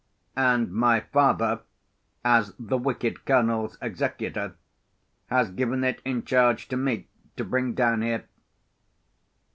"And my father, as the wicked Colonel's executor, has given it in charge to me to bring down here."